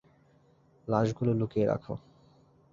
লাশগুলো লুকিয়ে রাখ।